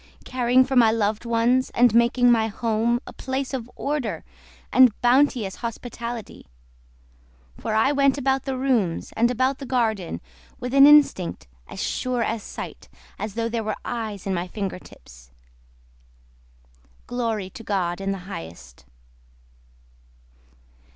Caring for my loved ones, And making my home A place of order and bounteous hospitality: For I went about the rooms, And about the garden With an instinct as sure as sight, As though there were eyes in my finger tips— Glory to God in the highest.